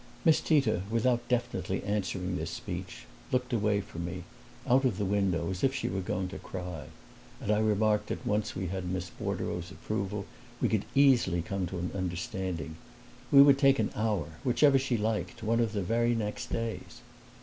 Miss Tita, without definitely answering this speech, looked away from me, out of the window, as if she were going to cry; and I remarked that once we had Miss Bordereau's approval we could easily come to an understanding. We would take an hour, whichever she liked, one of the very next days.